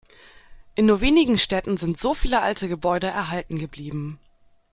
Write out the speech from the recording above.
In nur wenigen Städten sind so viele alte Gebäude erhalten geblieben.